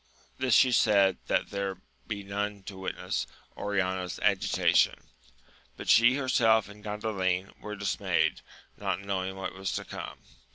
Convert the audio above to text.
This she said that there might be none to witness Oriana's agitation ; but she herself and Gandalin were dismayed, not knowing what was to come.